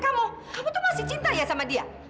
kamu aku tuh masih cinta ya sama dia